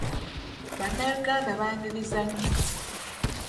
Bannayuganda baaniriza nnyo.